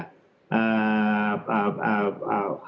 ada beberapa negara yang berpikir